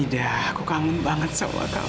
dah aku kangen banget sama kamu